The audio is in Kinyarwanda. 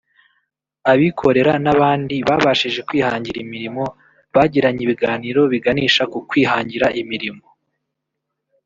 abikorera n’abandi babashije kwihangira imirimo bagiranye ibiganiro biganisha ku kwihangira imirimo